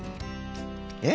え？